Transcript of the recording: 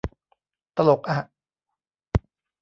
ตลกอะ